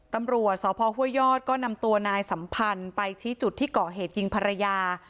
ตำรวจสพห้วยยอดก็นำตัวนายสัมพันธ์ไปชี้จุดที่ก่อเหตุยิงภรรยา